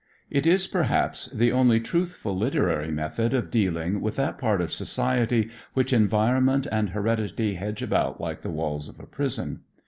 It is perhaps the only truthful literary method of dealing with that part of society which environment and heredity hedge about like the walls of a prison.